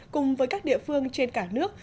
cùng với các địa phương trên cả nước